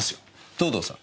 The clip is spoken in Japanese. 藤堂さん。